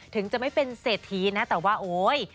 ถึงจะไม่เป็นเศรษฐีนะแต่ว่าโอ๊ย